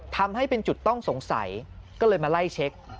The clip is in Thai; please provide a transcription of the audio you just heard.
ทำให้เป็นจุดต้องสงสัยก็เลยมาไล่เช็ค